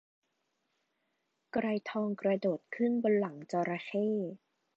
ไกรทองกระโดดขึ้นบนหลังจระเข้